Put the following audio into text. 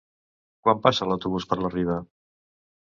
Quan passa l'autobús per la Riba?